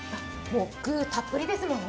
具たっぷりですもんね。